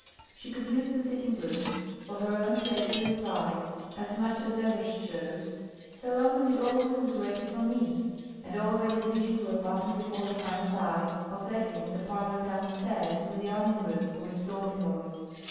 She could use the sitting room for her own pleasure and pride, as much as ever she chose, so long as it always was ready for me; and already visions were passing before her mind's eye, of letting the parlour downstairs with the onion room for its dormitory.